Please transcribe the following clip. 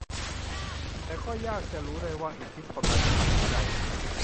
แต่ก็ยากจะรู้ได้ว่าได้อิทธิพลมาจากภาษาใด